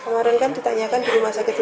mulai dari operasi